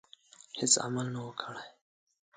هیڅ عمل نه وو کړی.